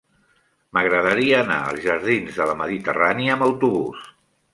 M'agradaria anar als jardins de la Mediterrània amb autobús.